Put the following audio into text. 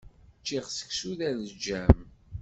Ččiɣ seksu d aleǧǧam.